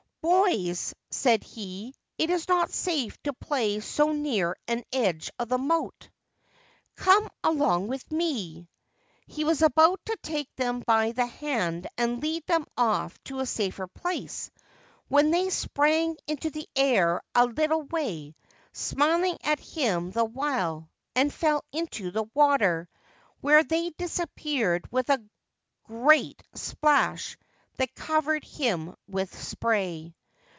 ' Boys/ said he, ' it is not safe to play so near the edge of this moat. Come along with me.' He was about to take them by the hand and lead them off to a safer place, when they sprang into the air a little way, smiling at him the while, and fell into the water, where they disappeared with a great splash that covered him with spray.